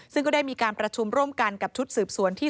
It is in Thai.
ซึ่งก็ได้มีการประชุมร่วมกันกับชุดสืบสวนที่๓